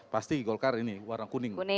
pasti golkar ini warna kuning